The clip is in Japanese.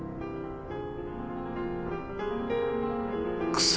クソ。